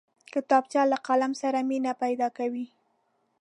کتابچه له قلم سره مینه پیدا کوي